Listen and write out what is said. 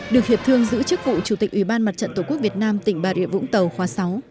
được hiệp thương giữ chức vụ chủ tịch ủy ban mặt trận tổ quốc việt nam tỉnh bà rịa vũng tàu khóa sáu